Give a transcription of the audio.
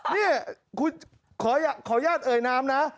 นี่ขออนุญาตเอ่ยน้ำนะ